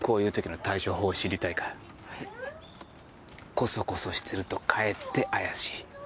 コソコソしてるとかえって怪しい。